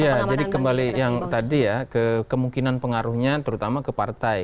iya jadi kembali yang tadi ya kemungkinan pengaruhnya terutama ke partai